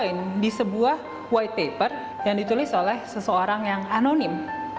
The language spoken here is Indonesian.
ini di sebuah white paper yang ditulis oleh seseorang yang anonim